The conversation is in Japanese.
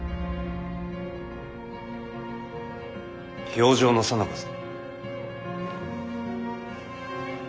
評定のさなかぞ。